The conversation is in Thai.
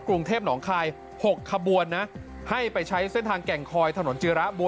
กรุงเทพหนองคาย๖ขบวนนะให้ไปใช้เส้นทางแก่งคอยถนนจิระบัว